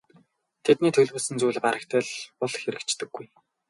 Тэдний төлөвлөсөн зүйл барагтай л бол хэрэгждэггүй.